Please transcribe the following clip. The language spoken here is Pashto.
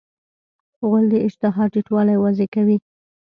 غول د اشتها ټیټوالی واضح کوي.